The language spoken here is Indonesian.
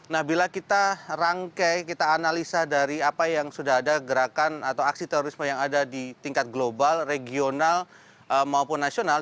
nah bila kita rangkai kita analisa dari apa yang sudah ada gerakan atau aksi terorisme yang ada di tingkat global regional maupun nasional